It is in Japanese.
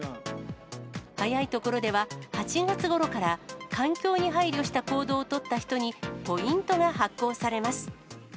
早い所では、８月ごろから環境に配慮した行動を取った人に、ポイントが発行されます。